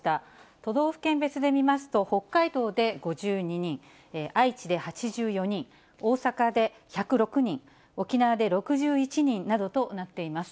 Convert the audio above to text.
都道府県別で見ますと、北海道で５２人、愛知で８４人、大阪で１０６人、沖縄で６１人などとなっています。